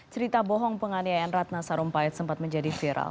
cerita bohong penganiayaan ratna sarumpait sempat menjadi viral